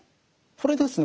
これですね